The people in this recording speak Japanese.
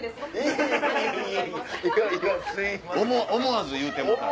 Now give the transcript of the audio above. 思わず言うてもうた。